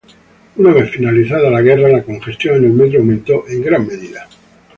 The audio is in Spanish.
Una vez finalizada la guerra, la congestión en el Metro aumentó en gran medida.